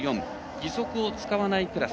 義足を使わないクラス。